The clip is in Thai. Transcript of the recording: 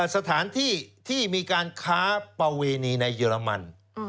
สถานที่ที่มีการค้าประเวณีในเยอรมัน